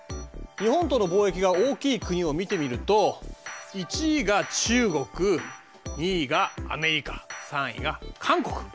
日本との貿易が大きい国を見てみると１位が中国２位がアメリカ３位が韓国。